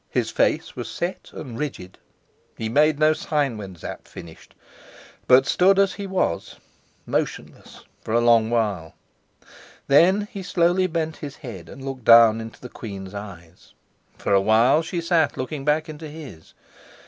His face was set and rigid. He made no sign when Sapt finished, but stood as he was, motionless, for a long while. Then he slowly bent his head and looked down into the queen's eyes. For a while she sat looking back into his.